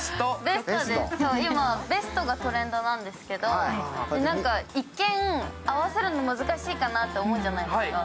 今、ベストがトレンドなんですけど一見、合わせるの難しいかなと思うじゃないですか。